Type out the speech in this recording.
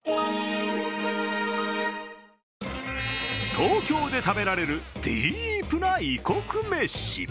東京で食べれるディープな異国めし。